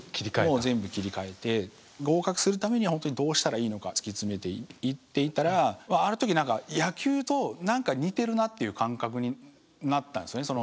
もう全部切り替えて合格するためには本当にどうしたらいいのか突き詰めていっていたらある時っていう感覚になったんですね。